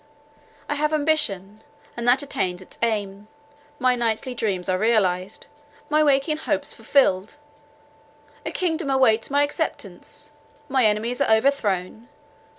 I have ambition, and that attains its aim; my nightly dreams are realized, my waking hopes fulfilled; a kingdom awaits my acceptance, my enemies are overthrown.